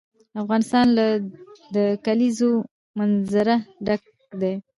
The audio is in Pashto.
افغانستان له د کلیزو منظره ډک دی.